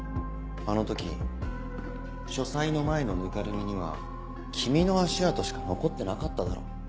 あの時書斎の前のぬかるみには君の足跡しか残ってなかっただろ。